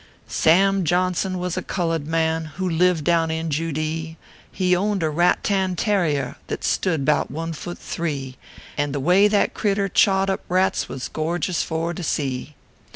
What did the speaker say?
Sam Johnson was a cullud man, Who lived down in Judce; lie owned a rat tan tarrier That stood bout one foot three; And the way that critter chawed up rats Was g orjus for to see.